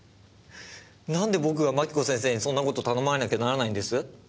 何で僕が槙子先生にそんなことを頼まれなきゃならないんです？